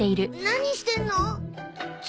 何してんの？釣り。